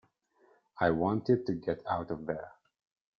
I wanted to get out of there.